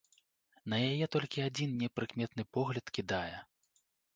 На яе толькі адзін непрыметны погляд кідае.